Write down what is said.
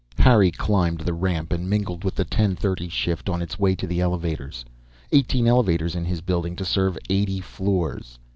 Harry climbed the ramp and mingled with the ten thirty shift on its way up to the elevators. Eighteen elevators in his building, to serve eighty floors.